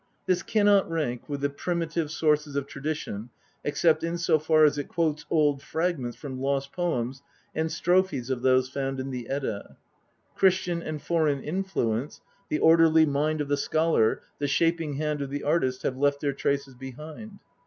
This cannot rank with the primitive sources of tradition except in so far as it quotes old fragments from lost poems and strophes of those found in the Edda. Christian and foreign influence, the orderly mind of the scholar, the shaping hand of the artist have left their traces behind.